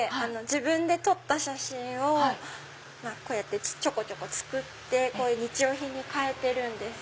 自分で撮った写真をこうやってちょこちょこ作って日用品に変えてるんです。